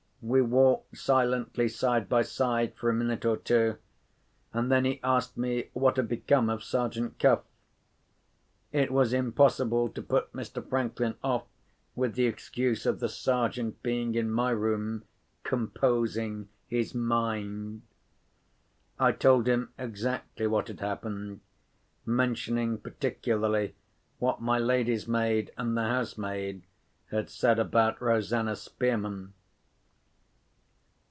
We walked silently, side by side, for a minute or two, and then he asked me what had become of Sergeant Cuff. It was impossible to put Mr. Franklin off with the excuse of the Sergeant being in my room, composing his mind. I told him exactly what had happened, mentioning particularly what my lady's maid and the house maid had said about Rosanna Spearman.